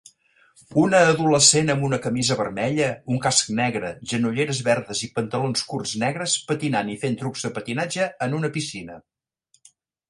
Una adolescent amb una camisa vermella, un casc negre, genolleres verdes i pantalons curts negres patinant i fent trucs de patinatge en una piscina